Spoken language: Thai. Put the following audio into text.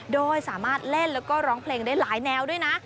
โดยสามารถเล่นแล้วก็ร้องเพลงได้หลายแนวด้วยนะ